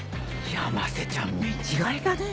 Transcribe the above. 山瀬ちゃん見違えたね。